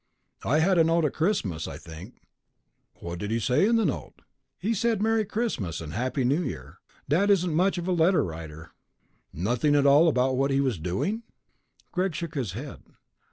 "I had a note at Christmas, I think. But what...." "What did he say in the note?" "He said Merry Christmas and Happy New Year. Dad isn't much of a letter writer." "Nothing at all about what he was doing?" Greg shook his head.